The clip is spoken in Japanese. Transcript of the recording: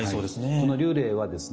この立礼はですね